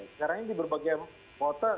sekarang ini di berbagai kota